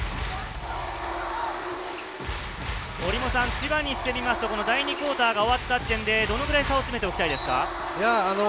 千葉にしてみると第２クオーターが終わった時点でどのくらい差を詰めておきたいですか？